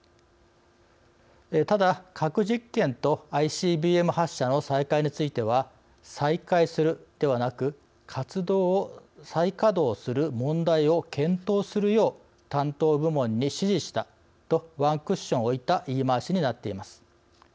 ただ、核実験とＩＣＢＭ発射の再開については再開する、ではなく活動を再稼働する問題を検討するよう担当部門に指示したと、ワンクッション置いた言い回しになっています。